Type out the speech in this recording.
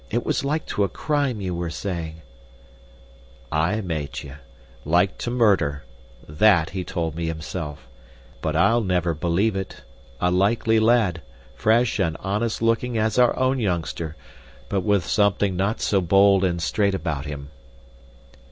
It was like to a crime, you were saying." "Aye, Meitje, like to murder. THAT he told me himself. But I'll never believe it. A likely lad, fresh and honest looking as our own youngster but with something not so bold and straight about him."